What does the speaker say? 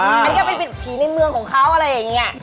อันนี้ก็เป็นผีในเมืองของเขาอะไรอย่างนี้